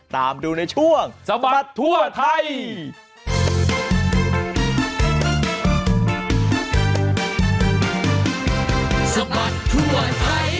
ตามดูในช่วงสะบัดทั่วไทย